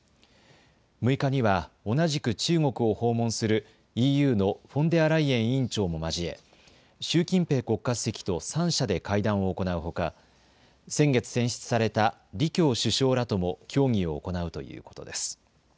６日には同じく中国を訪問するＥＵのフォンデアライエン委員長も交え習近平国家主席と３者で会談を行うほか先月選出された李強首相らとも協議を行うということです。